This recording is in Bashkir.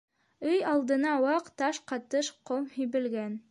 Өй алдына ваҡ таш ҡатыш ҡом һибелгән.